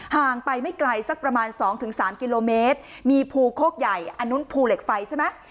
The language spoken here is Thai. ห่างไปไม่ไกลสักประมาณ๒๓กิโลเมตรมีภูโคกใหญ่อันนู้นภูเหล็กไฟใช่ไหม